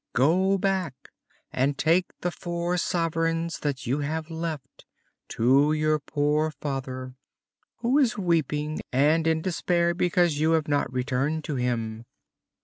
Go back and take the four sovereigns that you have left to your poor father, who is weeping and in despair because you have not returned to him."